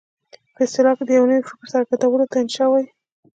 په اصطلاح کې د یوه نوي فکر څرګندولو ته انشأ وايي.